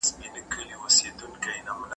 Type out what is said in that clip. څېړنه د کومو اصولو پر بنسټ روانه وي؟